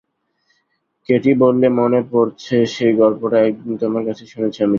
Katie বললে, মনে পড়ছে সেই গল্পটা–একদিন তোমার কাছেই শুনেছি অমিট।